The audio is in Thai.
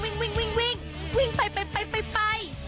วิ่งไป